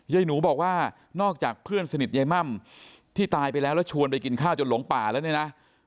ยายหนูบอกว่านอกจากเพื่อนสนิทยายม่ำที่ตายไปแล้วแล้วชวนไปกินข้าวจนหลงป่าแล้วเนี่ยนะ